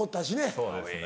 そうですね